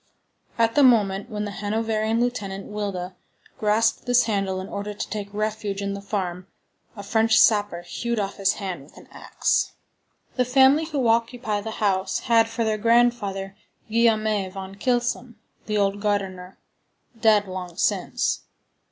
At the moment when the Hanoverian lieutenant, Wilda, grasped this handle in order to take refuge in the farm, a French sapper hewed off his hand with an axe. The family who occupy the house had for their grandfather Guillaume van Kylsom, the old gardener, dead long since.